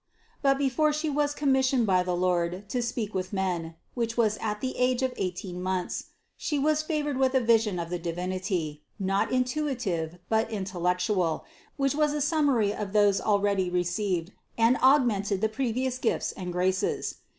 But before She was commissioned by the Lord to speak with men (which was at the age of eighteen months), She was favored with a vision of the Divinity, not intuitive but intellectual, which was a summary of those already received and augmented the previous gifts and graces.